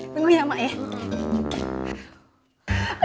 tunggu ya emak ya